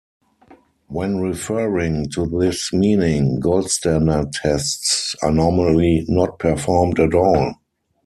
When referring to this meaning, gold standard tests are normally not performed at all.